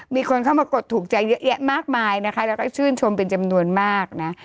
มีคนเข้ามากดถูกใจเยอะแยะมากมายนะคะแล้วก็ชื่นชมเป็นจำนวนมากนะ